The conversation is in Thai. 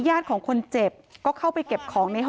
ญาติของคนเจ็บก็เข้าไปเก็บของ